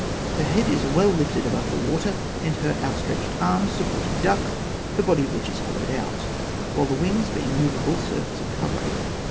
249). Her head is well lifted above the water, and her outstretched arms support a duck, the body of which is hollowed out, while the wings, being movable, serve as a cover.